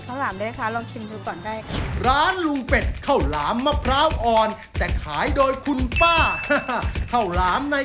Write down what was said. ข้าวหลามมะพร้าวอ่อนข้าวหลามมะพร้าวอ่อนมีเนื้อมะพร้าวอ่อนอยู่ในข้าวหลามด้วย